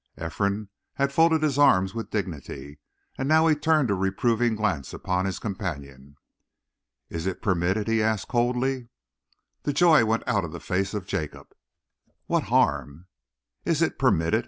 Ephraim had folded his arms with dignity, and now he turned a reproving glance upon his companion. "Is it permitted?" he asked coldly. The joy went out of the face of Jacob. "What harm?" "Is it permitted?"